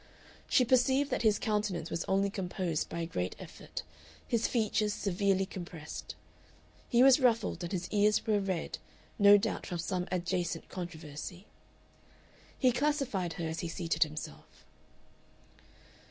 She perceived that his countenance was only composed by a great effort, his features severely compressed. He was ruffled, and his ears were red, no doubt from some adjacent controversy. He classified her as he seated himself.